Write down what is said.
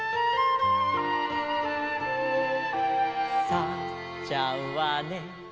「サッちゃんはね」